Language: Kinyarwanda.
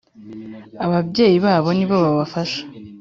Ababyeyi babo nibo babafasha.